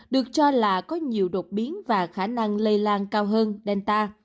được cho là có nhiều đột biến và khả năng lây lan cao hơn delta